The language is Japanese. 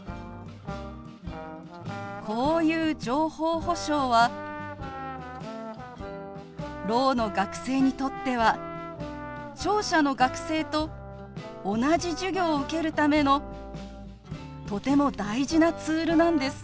こういう情報保障はろうの学生にとっては聴者の学生と同じ授業を受けるためのとても大事なツールなんです。